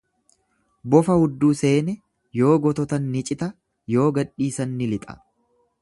Bofa hudduu seene yoo gototan ni cita, yoo gadhiisan ni lixa.